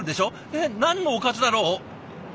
えっ何のおかずだろう？